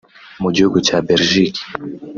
Mu gihugu cya Belgique